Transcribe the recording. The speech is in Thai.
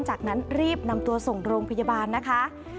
จากนั้นรีบนำตัวส่งโรงพยาบาลนะคะ